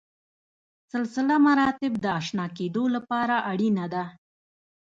سلسله مراتب د اشنا کېدو لپاره اړینه ده.